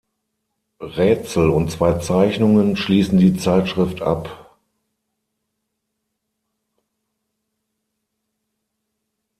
Rätsel und zwei Zeichnungen schließen die Zeitschrift ab.